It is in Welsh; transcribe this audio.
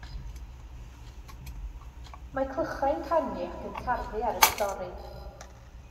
Mae clychau'n canu ac yn tarfu ar y stori.